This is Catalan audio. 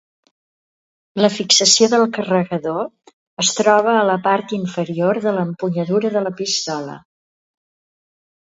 La fixació del carregador es troba a la part inferior de l'empunyadura de la pistola.